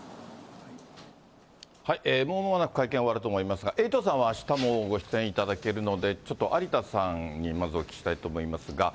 もうまもなく会見終わると思いますが、エイトさんは、あしたもご出演いただけるので、ちょっと有田さんにまずお聞きしたいと思いますが。